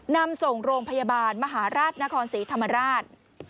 นำส่งโรงพยาบาลมหาราชนครศรีธรรมราช